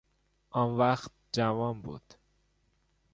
آن وقت جوان بود.